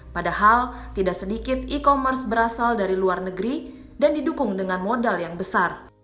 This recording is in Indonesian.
padahal tidak sedikit e commerce berasal dari luar negeri dan didukung dengan modal yang besar